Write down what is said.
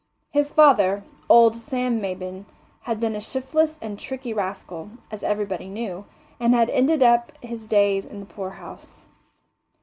His father, old Sam Maybin, had been a shiftless and tricky rascal, as everybody knew, and had ended his days in the poorhouse.